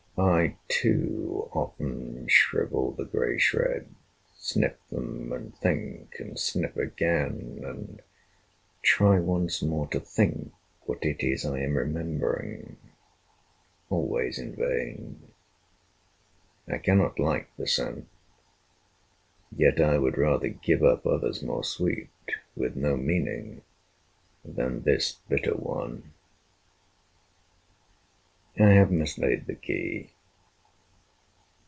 I, too, often shrivel the grey shreds, Sniff them and think and sniff again and try Once more to think what it is I am remembering, Always in vain. I cannot like the scent, Yet I would rather give up others more sweet, With no meaning, than this bitter one. I have mislaid the key.